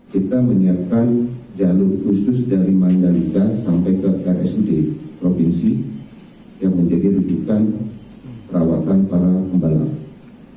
kita menyiapkan jalur khusus dari mandalika sampai ke rsud provinsi yang menjadi rujukan perawatan para pembalap